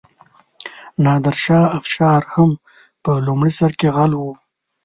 نادرشاه افشار هم په لومړي سر کې غل و.